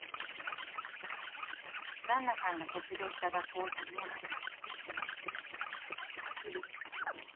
ガンナさんが卒業した学校を訪ねました。